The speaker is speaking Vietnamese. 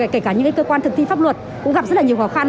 kể cả những cơ quan thực thi pháp luật cũng gặp rất là nhiều khó khăn